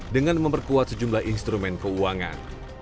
dengan memperkuat sejumlah instrumen keuangan